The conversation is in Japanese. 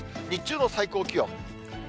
日中の最高気温。